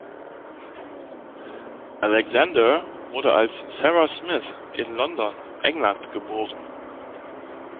Alexander wurde als Sarah Smith in London, England geboren.